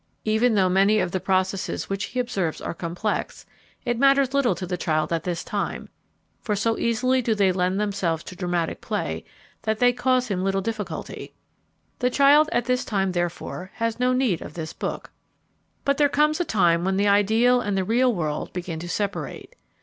Even though many of the processes that he observes are complex, it matters little to the child at this time; for so easily do they lend themselves to dramatic play that they cause him little difficulty. The child at this time, therefore, has no need of this book. But there comes a time when the ideal and the real world begin to separate.